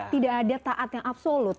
tidak ada taat yang absolut